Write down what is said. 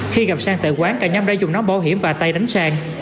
khi gặp sang tại quán cả nhóm đã dùng nón bảo hiểm và tay đánh sang